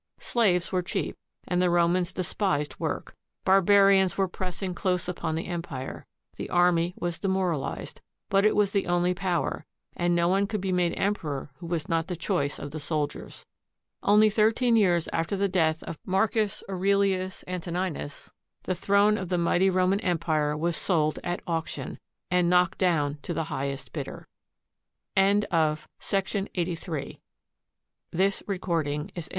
Slaves were cheap, and the Romans despised work. Barbarians were pressing close upon the empire. The army was demoralized; but it was the only power, and no one could be made emperor who was not the choice of the soldiers. Only thirteen years after the death of Marcus Aurelius Antoninus, the throne of the mighty Roman Empire was sold at auction, and knocked down to the highest bidder. MARCUS AURELIUS, THE PHILOSOPHER EMPEROR [121 180 A.